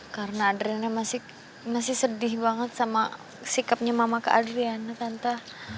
karena adriana masih sedih banget sama sikapnya mama ke adriana tante